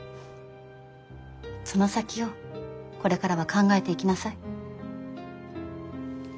その先をこれからは考えていきなさい。